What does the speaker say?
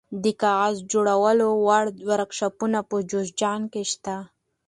د کاغذ جوړولو واړه ورکشاپونه په جوزجان کې شته.